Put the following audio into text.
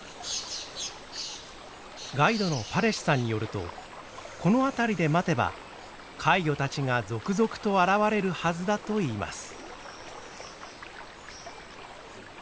ガイドのパレシさんによるとこの辺りで待てば怪魚たちが続々と現れるはずだといいます。